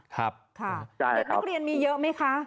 เด็กนักเรียนมีเยอะไหมคะ